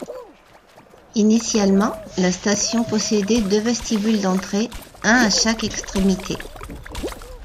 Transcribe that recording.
Initialement, la station possédait deux vestibules d'entrée, un à chaque extrémité.